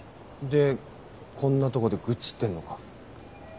でこんなとこで愚痴ってんのか？